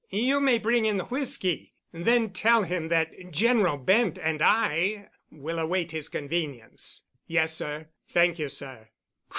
"You may bring in the whisky, then tell him that General Bent and I will await his convenience." "Yes, sir. Thank you, sir."